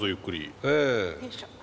よいしょ。